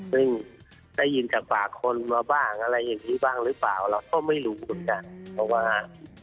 ซึ่งได้ยินจากปากคนมาบ้างอะไรอย่างนี้บ้างหรือเปล่าเราก็ไม่รู้เหมือนกันเพราะว่า